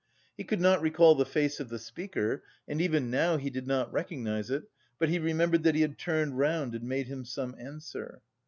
He could not recall the face of the speaker, and even now he did not recognise it, but he remembered that he had turned round and made him some answer....